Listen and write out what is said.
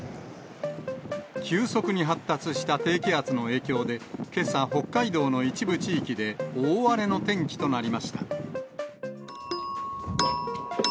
急速に発達した低気圧の影響で、けさ、北海道の一部地域で大荒れの天気となりました。